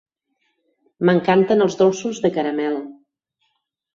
M'encanten els dolços de caramel.